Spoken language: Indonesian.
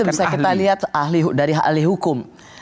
itu bisa kita lihat dari ahli hukum